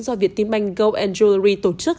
do việt tiên banh go jewelry tổ chức